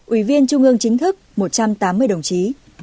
ủy viên trung ương chính thức một trăm tám mươi đồng chí